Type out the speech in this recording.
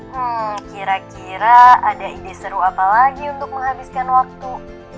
hmm kira kira ada ide seru apa lagi untuk menghabiskan waktu